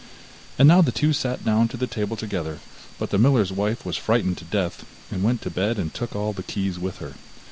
And now the two sat down to the table together, but the miller's wife was frightened to death, and went to bed and took all the keys with her.